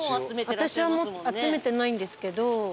私は集めてないんですけど。